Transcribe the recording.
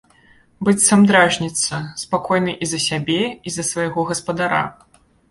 Быццам дражніцца, спакойны і за сябе і за свайго гаспадара.